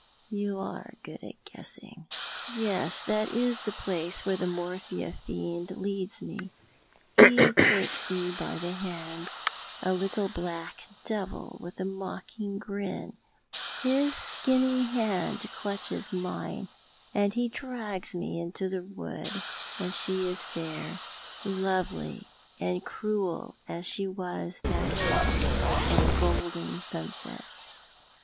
" You are good at guessing. Yes, that is the place where the morphia fiend leads me. He takes me by the hand — a little black devil with a mocking grin— his skinny hand clutches mine, and he drags me to the wood ; and she is there — lovely, and cruel as she was that evening — in the golden sunset.